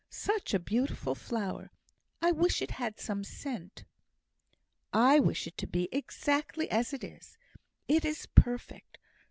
"Such a beautiful flower! I wish it had some scent." "I wish it to be exactly as it is; it is perfect.